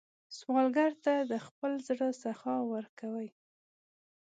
سوالګر ته د خپل زړه سخا ورکوئ